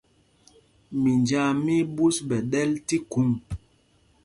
Minjāā mí í ɓǔs ɓɛ̌ ɗɛ̄l tí khuŋ.